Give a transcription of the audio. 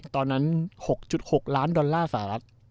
ตอนนั้น๖๖ล้านดอลลาร์สหรัฐ